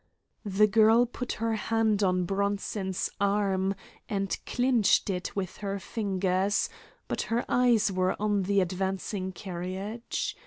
The girl put her hand on Bronson's arm and clinched it with her fingers, but her eyes were on the advancing carriage.